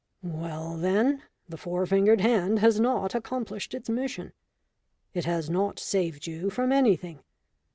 "Well, then, the four fingered hand has not accomplished its mission. It has not saved you from anything.